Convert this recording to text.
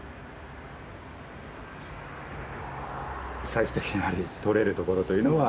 最終的にやはりとれるところというのは。